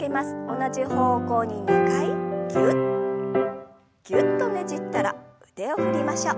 同じ方向に２回ぎゅっぎゅっとねじったら腕を振りましょう。